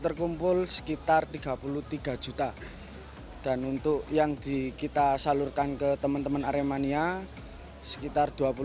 terkumpul sekitar tiga puluh tiga juta dan untuk yang di kita salurkan ke teman teman aremania sekitar